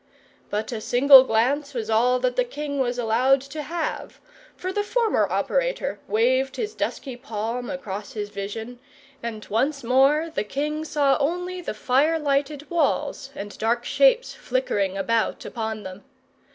But a single glance was all that the king was allowed to have; for the former operator waved his dusky palm across his vision, and once more the king saw only the fire lighted walls, and dark shapes flickering about upon them.